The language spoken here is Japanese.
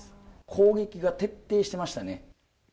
攻撃が徹底してましたね。